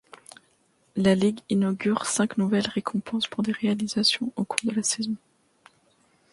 La ligue inaugure cinq nouvelles récompenses pour des réalisations au cours de la saison.